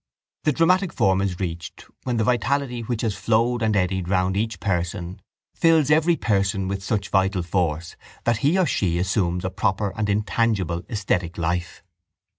The dramatic form is reached when the vitality which has flowed and eddied round each person fills every person with such vital force that he or she assumes a proper and intangible esthetic life.